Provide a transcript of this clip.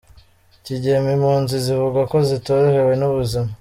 Kigeme Impunzi zivuga ko zitorohewe n’ubuzima